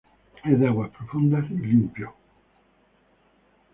Es de aguas profundas y limpio.